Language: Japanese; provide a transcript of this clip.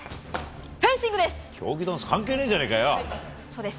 フェンシングです。